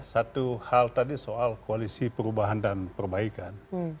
satu hal tadi soal koalisi perubahan dan perbaikan